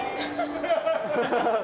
ハハハハハ。